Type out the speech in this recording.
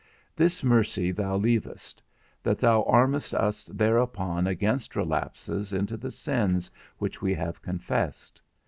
This mercy thou leavest, that thou armest us thereupon against relapses into the sins which we have confessed.